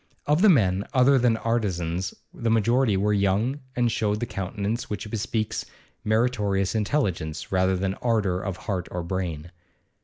Of the men other than artisans the majority were young, and showed the countenance which bespeaks meritorious intelligence rather than ardour of heart or brain.